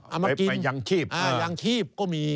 เอามากินยางชีพก็มี